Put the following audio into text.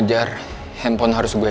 terima kasih ma